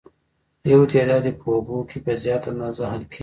یو تعداد یې په اوبو کې په زیاته اندازه حل کیږي.